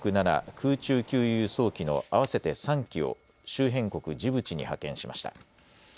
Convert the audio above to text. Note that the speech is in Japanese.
空中給油・輸送機の合わせて３機を周辺国ジブチに派遣しました。